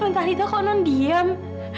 non tadi kok non diam